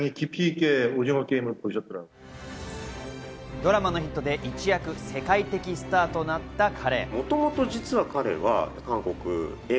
ドラマのヒットで一躍世界的スターとなった彼。